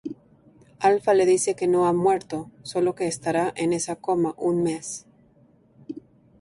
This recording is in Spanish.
Alpha le dice que no ha muerto, solo que estará en coma un mes.